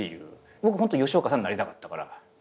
僕ホント吉岡さんになりたかったから。